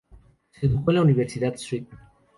Se educó en la Universidad St.